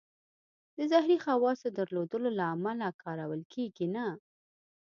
د زهري خواصو درلودلو له امله کارول کېږي نه.